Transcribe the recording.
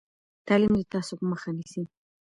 تعلیم د تعصب مخه نیسي.